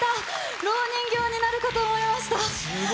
ろう人形になるかと思いました。